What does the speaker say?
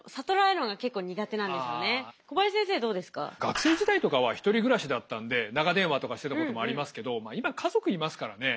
学生時代とかは１人暮らしだったんで長電話とかしてたこともありますけど今家族いますからね。